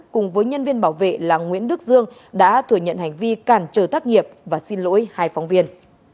cùng với nhân viên bảo vệ là nguyễn đức dương đã thừa nhận hành vi cản trở tác nghiệp và xin lỗi hai phóng viên